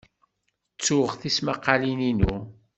Ttuɣ tismaqqalin-inu.